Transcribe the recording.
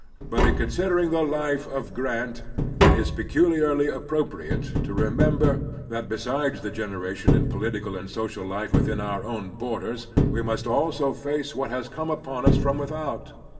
But in considering the life of Grant it is pe culiariy appropriate to remember that, besides the regeneration in political and social life within our own borders, we must also face what has come upon us from without.